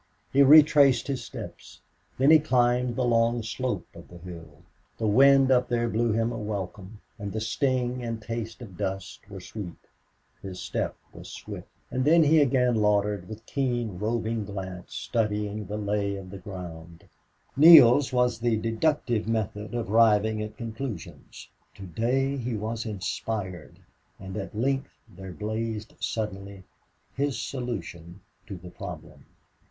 He retraced his steps. Then he climbed the long slope of the hill. The wind up there blew him a welcome, and the sting and taste of dust were sweet. His steps was swift. And then again he loitered, with keen, roving glance studying the lay of the ground. Neale's was the deductive method of arriving at conclusions. Today he was inspired. And at length there blazed suddenly his solution to the problem.